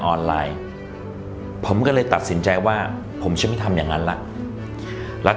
ออนไลน์ผมก็เลยตัดสินใจว่าผมจะไม่ทำอย่างนั้นล่ะแล้ว